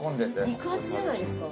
肉厚じゃないですか？